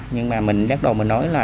nhưng mà mình đắt đồ mình nói là